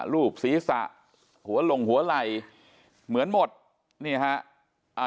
รูปศีรษะหัวหลงหัวไหล่เหมือนหมดนี่ฮะอ่า